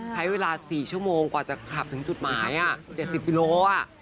ใช้เวลา๔ชั่วโมงกว่าจะขับถึงจุดหมาย๗๐กิโล